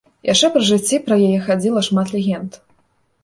Яшчэ пры жыцці пра яе хадзіла шмат легенд.